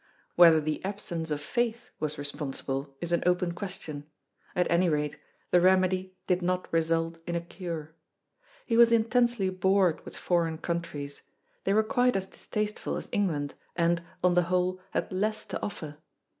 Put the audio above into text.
Whether the absence of faith was responsible, is an open question; at any rate, the remedy did not result in a cure. He was intensely bored with foreign countries; they were quite as distasteful as England, and, on the whole, had less to offer.